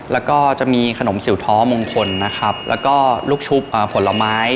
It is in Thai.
แล้วก็จะมีขนมสิวท้อมงคลนะครับแล้วก็ลูกชุบผลไม้